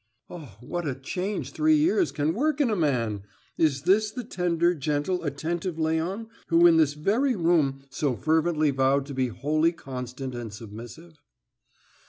"Oh, what a change three years can work in a man! Is this the tender, gentle, attentive Léon, who in this very room so fervently vowed to be wholly constant and submissive?"